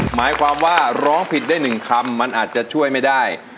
หมายความว่าร้องผิดได้๑คำมันอาจจะช่วยไม่ได้